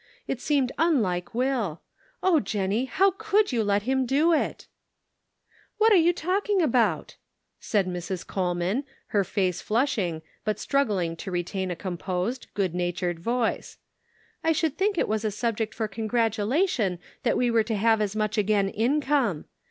It seemed unlike . Will ; oh, Jennie, how could you let him do it ?"" What are you talking about ?" said Mrs. Coleman, her face flushing, but struggling to retain a composed, good natured voice. " I should think it was a subject for congratulation that we were to have as much again income.